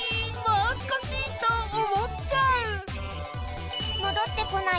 もう少し！と思っちゃう。